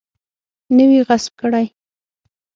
نه وي غصب کړی.